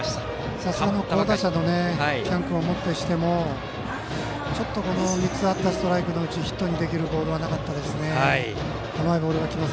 さすがの好打者の喜屋武君をもってしてもちょっと３つあったストライクのうちヒットにできるボールはなかったですね。